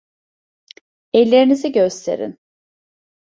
Ellerinizi gösterin.